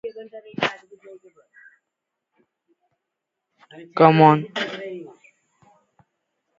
I want to create a website and a YouTube channel